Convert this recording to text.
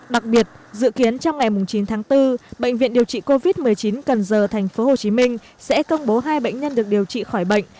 đặc biệt dự kiến trong ngày chín tháng bốn bệnh viện điều trị covid một mươi chín cần giờ tp hcm sẽ công bố hai bệnh nhân được điều trị khỏi bệnh